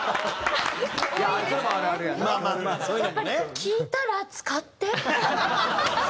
「聞いたら使って」。